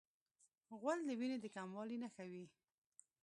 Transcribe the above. غول د وینې د کموالي نښه وي.